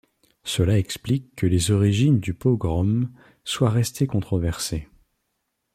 Cela explique que les origines du pogrom soient restées controversées.